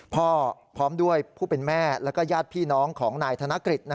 พร้อมด้วยผู้เป็นแม่แล้วก็ญาติพี่น้องของนายธนกฤษ